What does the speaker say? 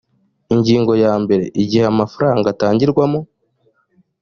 ingingo ya mbere igihe amafaranga atangirwamo